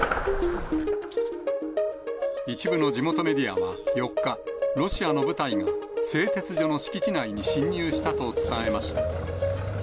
一部の地元メディアは４日、ロシアの部隊が、製鉄所の敷地内に侵入したと伝えました。